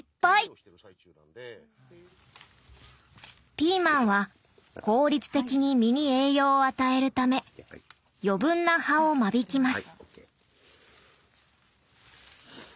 ピーマンは効率的に実に栄養を与えるため余分な葉を間引きます。